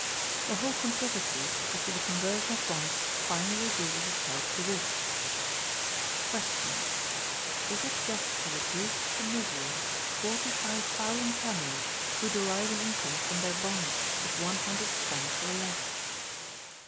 The whole controversy as to the conversion of bonds finally reduces itself to this: QUESTION. Is it just to reduce to misery forty five thousand families who derive an income from their bonds of one hundred francs or less?